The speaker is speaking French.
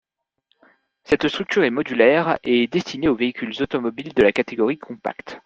Cette structure est modulaire et est destinée aux véhicules automobiles de la catégorie compactes.